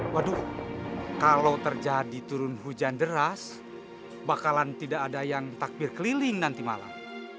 waduh kalau terjadi turun hujan deras bakalan tidak ada yang takbir keliling nanti malam